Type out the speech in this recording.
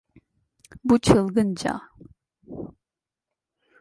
Bu çılgınca.